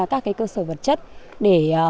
các cơ sở vật chất để